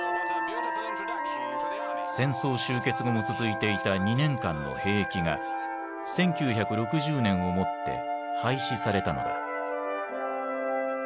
戦争終結後も続いていた２年間の兵役が１９６０年をもって廃止されたのだ。